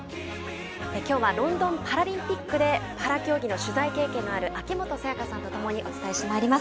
今日はロンドンパラリンピックでパラ競技の取材経験がある秋元才加さんとともにお伝えしてまいります。